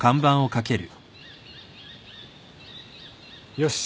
よし。